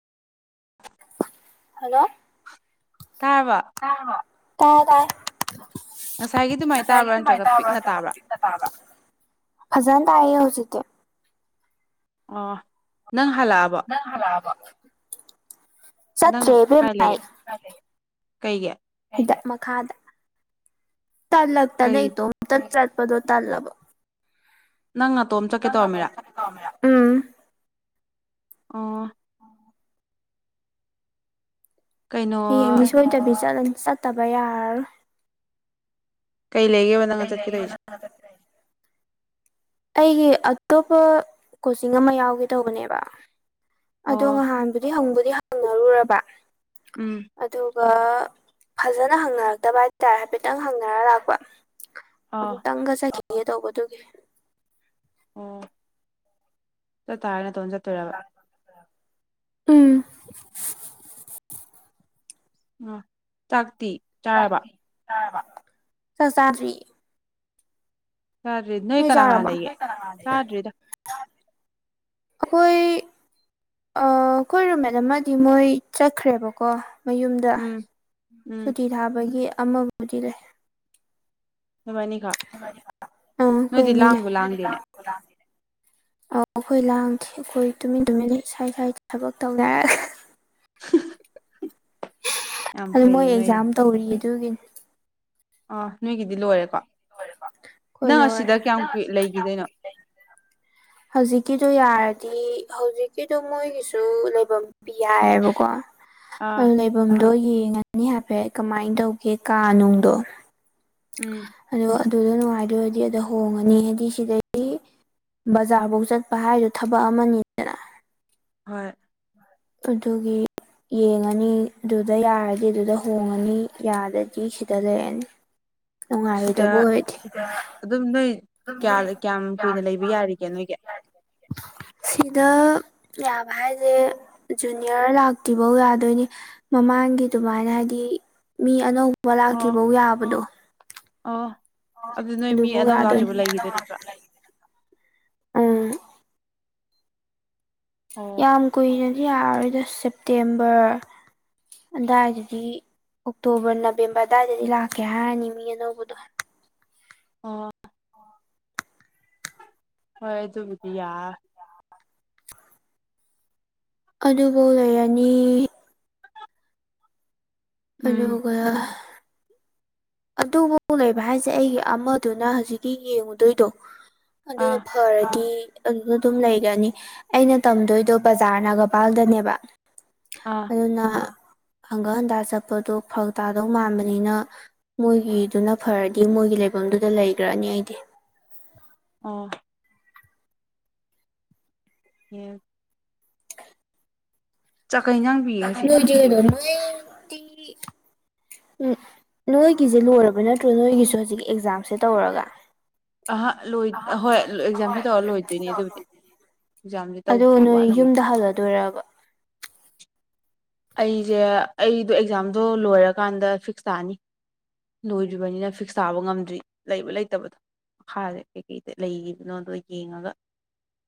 Hello ꯊꯥꯕ ꯇꯥ ꯉꯁꯥꯏꯒꯤ ꯑꯗꯨꯃꯥꯏꯅ ꯇꯥꯏ ꯇꯥꯕ꯭ꯔꯥ ꯉꯁꯥꯏꯒꯤꯥꯏ ꯅꯠꯇ꯭ꯔꯒ ꯄꯤꯛꯅ ꯇꯥꯕ꯭ꯔꯥ ꯇꯥ꯭ꯔ ꯐꯖꯅ ꯇꯥꯛꯑꯦ ꯍꯧꯖꯤꯛ ꯑꯣ ꯑ ꯅ ꯍꯂꯕ ꯅꯪ ꯆꯠꯇꯔ꯭ꯦ ꯀꯥꯏ ꯑꯕꯦꯝꯃꯥ꯫ ꯂꯩꯒꯦ ꯀꯩꯒꯤ ꯃꯈꯥꯗ ꯀꯩ ꯇꯜꯂꯛꯇꯅ ꯏꯇꯣꯝꯇ ꯆꯠꯄꯗꯣ ꯇꯜꯂꯕ꯫ ꯅꯪ ꯅꯇꯣꯝ ꯆꯠꯀꯦ ꯇꯧꯔꯝꯃꯤꯔꯥ ꯎꯝ ꯑꯣ꯫ [inaudible] ꯀꯩꯅꯣ ꯍꯌꯦꯡꯗꯤ ꯁꯣꯏꯂꯅꯤ ꯆꯠꯇꯕ ꯌꯥꯔꯔꯣꯏ꯫ ꯀꯩ ꯂꯩꯒꯦꯕ ꯅꯪꯒ ꯆꯠꯀꯦ ꯇꯣꯏꯁꯦ꯫ ꯑꯩꯒꯤ ꯑꯇꯣꯞꯄ ꯀꯣꯆꯤꯡ ꯑꯃ ꯌꯥꯎꯒꯦ ꯇꯧꯕꯅꯦꯕ꯫ ꯑꯗꯣ ꯑꯣ ꯅꯍꯥꯟꯗꯨꯗꯤ ꯍꯪꯕꯨꯗꯤ ꯍꯪꯅꯔꯨꯔꯕ꯫ ꯎꯝ꯫ ꯑꯗꯨꯒ ꯐꯖꯅ ꯍꯪꯅꯔꯛꯇꯕ ꯍꯥꯏꯇꯥꯔꯦ ꯍꯥꯏꯐꯦꯠꯇꯪ ꯍꯪꯅꯔ ꯂꯥꯛꯄ꯫ ꯑꯥ ꯑꯃꯨꯛꯇꯪꯒ ꯆꯠꯈꯤꯒꯦ ꯇꯧꯕꯗꯨꯒꯤ꯫ ꯑꯣ ꯆꯠꯇꯥꯔꯗꯤ ꯅꯇꯣꯝ ꯆꯠꯇꯣꯏꯔꯕ꯫ ꯎꯝ꯫ ꯎꯝ ꯆꯥꯀꯇꯤ꯫ ꯆꯥꯛ ꯖꯗꯔ꯭ꯤ꯫ ꯆꯥꯗ꯭ꯔꯤ ꯅꯣꯏ ꯀꯅꯥ ꯀꯅꯥ ꯆꯔꯕꯣ ꯂꯩꯒꯦ ꯆꯥꯗ꯭ꯔꯤꯗ ꯑꯈꯣꯏ꯫ ꯑ ꯀꯣꯏꯔꯨꯝꯃꯦꯠ ꯑꯃꯗꯤ ꯃꯣꯏ ꯆꯠꯈ꯭ꯔꯦꯕꯀꯣ꯫ ꯃꯌꯨꯝꯗ ꯎꯝ ꯎꯝ ꯁꯨꯇꯤ ꯊꯥꯕꯒꯤ ꯑꯃꯕꯨꯗꯤ ꯂꯩ꯫ ꯅꯕꯥꯅꯤꯈꯛ ꯑꯈꯣꯏ ꯅꯣꯏꯗꯤ ꯑꯅꯤ ꯂꯩ꯫ ꯂꯥꯡꯕꯨ ꯂꯥꯡꯗꯦꯅꯦ ꯑ ꯑꯩꯈꯣꯏ ꯂꯥꯡꯗꯔ꯭ꯦ ꯑꯩꯈꯣꯏ ꯇꯨꯃꯤꯟ ꯇꯨꯃꯤꯟ ꯑꯦꯁꯥ ꯑꯦꯁꯥꯒꯤ ꯊꯕꯛ ꯇꯧꯅꯔꯦ꯫ ꯌꯥꯝ ꯑꯗꯨ ꯃꯣꯏ ꯐꯩꯌꯦ ꯑꯦꯛꯖꯥꯝ ꯇꯧꯔꯤ ꯑꯗꯨꯒꯤꯅꯤ꯫ ꯑ꯫ ꯅꯣꯏꯒꯤꯗꯤ ꯂꯣꯏꯔꯦꯀꯣ ꯑꯩꯈꯣꯏ ꯅꯪ ꯂꯣꯏꯔꯦ ꯑꯁꯤꯗ ꯀꯌꯥꯝ ꯀꯨꯏ ꯂꯩꯈꯤꯗꯣꯏꯅꯣ꯫ ꯍꯧꯖꯤꯛꯀꯤꯁꯨ ꯌꯥꯔ꯫ ꯗꯤ ꯍꯧꯖꯤꯛꯀꯤꯗꯣ ꯃꯣꯏꯒꯤꯁꯨ ꯂꯩꯐꯝ ꯄꯤ ꯍꯥꯏꯌꯦꯕꯀꯣ꯫ ꯑꯥ ꯑꯗꯨ ꯂꯩꯐꯝꯗꯣ ꯌꯦꯡꯉꯅꯤ ꯍꯥꯏꯐꯦꯠ ꯀꯃꯥꯏꯟ ꯇꯧꯒꯦ ꯀꯥꯅꯨꯡꯗꯣ꯫ ꯎꯝ꯫ ꯑꯗꯨꯗ ꯅꯨꯡꯉꯥꯏꯗꯣꯔꯗꯤ ꯑꯗꯣ ꯍꯣꯡꯉꯅꯤ ꯍꯥꯏꯗꯤ ꯁꯤꯗꯗꯒꯤ꯫ ꯕꯖꯥꯔ ꯐꯧ ꯆꯠꯄ ꯍꯥꯏꯗꯨ ꯊꯕꯛ ꯑꯃꯅꯤꯗꯅ꯫ ꯍꯣꯏ꯫ ꯑꯗꯨꯒꯤ꯫ ꯌꯦꯡꯉꯅꯤ ꯑꯗꯨꯗ ꯌꯥꯔꯗꯤ ꯑꯗꯨꯗ ꯍꯣꯡꯉꯅꯤ ꯌꯥꯗꯗꯤ ꯁꯤꯗ ꯂꯩꯔꯅꯤ꯫ ꯁꯤꯗ ꯅꯨꯡꯉꯥꯏꯔꯣꯏꯗꯕ ꯑꯣꯏꯔꯗꯤ ꯑꯗꯨꯝ ꯅꯣꯏ꯫ ꯀꯌꯥ ꯀꯌꯥꯝ ꯀꯨꯏꯅ ꯂꯩꯕ ꯌꯥꯔꯤꯒꯦ ꯅꯣꯏꯒꯤ꯫ ꯁꯤꯗ ꯌꯥꯕ ꯍꯥꯏꯁꯦ ꯖꯨꯅꯤꯌꯔ ꯂꯥꯛꯇ꯭ꯔꯤꯐꯧ ꯌꯥꯗꯣꯏꯅꯤ ꯃꯃꯥ꯫ ꯡꯒꯤ ꯑꯗꯨꯃꯥꯏꯅ ꯍꯥꯏꯗꯤ ꯃꯤ ꯑꯅꯧꯕ ꯑꯣ ꯂꯥꯛꯇ꯭ꯔꯤꯐꯧ ꯌꯥꯕꯗꯣ꯫ ꯑꯣ꯫ ꯑꯗꯨ ꯅꯣꯏ ꯃꯤ ꯑꯗꯨꯐꯥꯎ ꯑꯅꯧ ꯂꯥꯛꯇꯔꯤꯕꯥꯎ ꯌꯥꯗꯣꯏꯅꯤ ꯂꯩꯈꯤꯗꯣꯏ ꯅꯠꯇ꯭ꯔꯥ꯫ ꯎꯝ ꯑꯣ ꯌꯥꯝ ꯀꯨꯏꯅꯗꯤ ꯌꯥꯔꯣꯏꯗ ꯁꯦꯞꯇꯦꯝꯕꯔ꯫ ꯑꯗꯥꯏꯗꯨꯗꯤ꯫ ꯑꯣꯛꯇꯣꯕꯔ ꯅꯕꯦꯝꯕꯔ ꯑꯗꯨꯋꯥꯏꯗꯗꯤ ꯂꯥꯛꯀꯦ ꯍꯥꯏꯔꯅꯤ ꯃꯤ ꯑꯅꯧꯕꯗꯣ꯫ ꯑꯣ꯫ ꯍꯣꯏ ꯗꯨꯕꯨꯗꯤ ꯌꯥ꯫ ꯑꯗꯨꯒ ꯂꯩꯔꯅꯤ꯫ ꯎꯝ ꯀꯩꯅꯣꯒ꯫ ꯑꯗꯨꯕꯥꯎ ꯂꯩꯕ ꯍꯥꯏꯁꯦ ꯑꯩꯒꯤ ꯑꯃꯗꯨꯅ ꯍꯧꯖꯤꯛꯀꯤ ꯌꯦꯡꯉꯨꯗꯣꯏꯗꯣ ꯑꯗꯨꯅ ꯑꯥ ꯐꯔꯗꯤ꯫ ꯑꯗꯨꯗ ꯑꯗꯨꯝ ꯂꯩꯒꯅꯤ ꯑꯩꯅ ꯇꯝꯗꯣꯏꯗꯣ ꯕꯖꯥꯔ ꯒꯒꯥꯝꯄꯥꯜꯗꯅꯦꯕ꯫ ꯑꯥ ꯑꯗꯨꯅ꯫ ꯍꯪꯒꯥ ꯍꯟꯗ ꯆꯠꯄꯗꯨꯣ ꯐꯧ ꯇꯥꯗꯧ ꯃꯥꯟꯕꯅꯤꯅ꯫ ꯃꯣꯏꯒꯤꯗꯨꯅ ꯐꯔꯗꯤ ꯃꯣꯏꯒꯤ ꯂꯩꯐꯝꯗꯨꯗ ꯂꯩꯈ꯭ꯔꯅꯤ ꯑꯩꯗꯤ ꯑꯣ ꯌꯦ ꯆꯛꯈꯩ ꯉꯥꯡꯗꯤꯌꯦ ꯉꯁꯤ ꯄꯨꯌꯦꯋꯧ ꯇꯤ ꯎꯝ ꯅꯣꯏꯒꯤꯖꯦ ꯂꯣꯏꯔꯕ ꯅꯠꯇ꯭ꯔꯣ ꯅꯣꯏꯒꯤꯁꯨ ꯍꯧꯖꯤꯛ ꯑꯦꯛꯖꯥꯝ ꯁꯦ ꯇꯧꯔꯒ ꯑꯥꯍꯥ ꯂꯣꯏ ꯑ ꯍꫭꯏ ꯑꯦꯛꯖꯥꯝꯖꯦ ꯇꯧꯔ ꯂꯣꯏꯗꯣꯏꯅꯦ ꯑꯗꯨꯕꯨꯗꯤ ꯑꯦꯛꯖꯥꯝꯁꯦ ꯑꯗꯨ ꯇꯧꯗ꯭ꯔꯤ ꯅꯣꯏ ꯋꯥꯠꯂꯤꯌꯦ ꯌꯨꯝꯗ ꯍꯜꯂꯗꯣꯏꯔꯕ ꯑꯩꯖꯦ ꯑꯩꯗꯣ ꯑꯦꯛꯖꯥꯝꯗꯣ ꯂꯣꯏꯔꯀꯥꯟꯗ ꯐꯤꯛꯁ ꯇꯥꯅꯤ ꯂꫭꯏꯗ꯭ꯔꯤꯕꯅꯤꯅ ꯐꯤꯛꯁ ꯊꯥꯕ ꯉꯝꯗ꯭ꯔꯤ ꯂꯩꯕ ꯂꯩꯇꯕꯗꯣ ꯃꯈꯥꯗ ꯀꯩꯀꯩꯗ ꯂꯩꯒꯤꯕꯅꯣꯗꯣ ꯌꯦꯡꯉꯒ